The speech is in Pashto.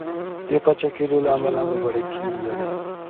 د پاچا کېدلو له امله مبارکي ویلې.